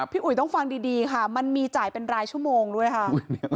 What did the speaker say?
อุ๋ยต้องฟังดีค่ะมันมีจ่ายเป็นรายชั่วโมงด้วยค่ะ